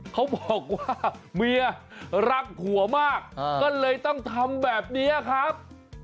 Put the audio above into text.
เขาบอกว่าเมียรักผัวมากก็เลยต้องทำแบบนี้ครับ